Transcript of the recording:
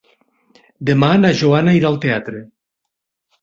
Demà na Joana irà al teatre.